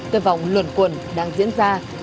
cơ vọng luẩn quẩn đang diễn ra